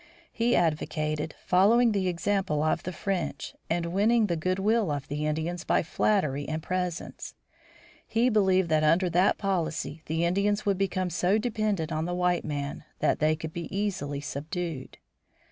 He advocated following the example of the French, and winning the good will of the Indians by flattery and presents. He believed that under that policy the Indians would become so dependent on the white man that they could be easily subdued.